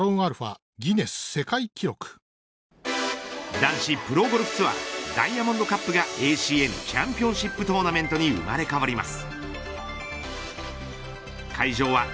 男子プロゴルフツアーダイヤモンドカップがＡＣＮチャンピオンシップトーナメントに生まれ変わります。